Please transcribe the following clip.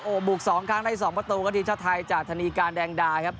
โอ้บุก๒ครั้งได้๒ประตูก็ทิชชาไทยจากธนีการแดงดาครับ